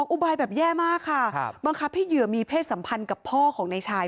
อุบายแบบแย่มากค่ะบังคับให้เหยื่อมีเพศสัมพันธ์กับพ่อของนายชาย